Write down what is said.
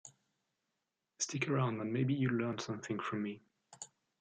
Stick around and maybe you'll learn something from me.